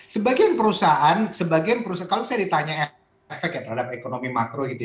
sebagian perusahaan kalau saya ditanya efek ya terhadap ekonomi makro gitu ya